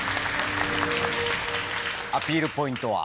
アピールポイントは？